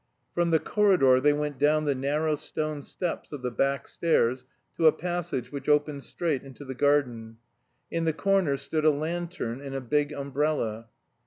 From the corridor they went down the narrow stone steps of the back stairs to a passage which opened straight into the garden. In the corner stood a lantern and a big umbrella.